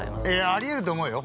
あり得ると思うよ